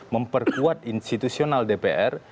memperkuat institusional dpr